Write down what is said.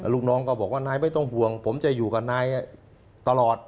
ลูกน้องก็บอกว่านายไม่ต้องห่วงผมจะอยู่กับนายตลอด